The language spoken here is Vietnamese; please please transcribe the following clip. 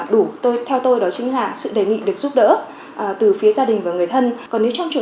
đối với công việc